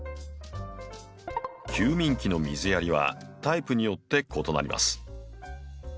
休眠期の水やりはタイプによって異なります。